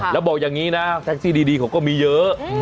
แล้วบอกอย่างนี้นะแท็กซี่ดีเขาก็มีเยอะ